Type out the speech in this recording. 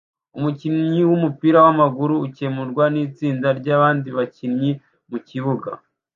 Umukinnyi wumupira wamaguru akemurwa nitsinda ryabandi bakinnyi mukibuga